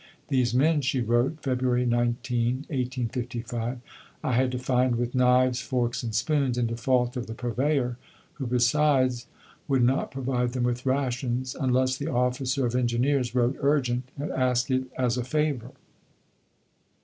"These men," she wrote (Feb. 19, 1855), "I had to find with knives, forks, and spoons, in default of the Purveyor, who besides would not provide them with rations unless the Officer of Engineers wrote 'urgent' and asked it 'as a favour.'"